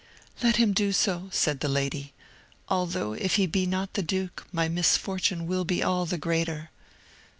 "Let him do so," said the lady; "although, if he be not the duke, my misfortune will be all the greater."